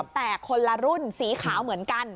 แต่คนละรุ่นสีขาวเหมือนกัน